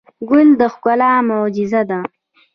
ګل د ښکلا معجزه ده.